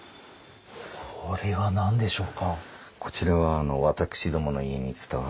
これは何でしょうか？